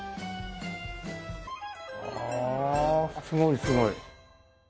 はあすごいすごい。